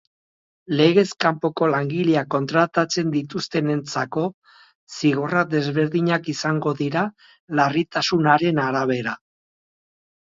Legez kanpoko langileak kontratatzen dituztenentzako zigorrak desberdinak izango dira larritasunaren arabera.